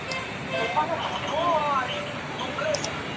Actualmente vive con su familia en la comuna de Recoleta.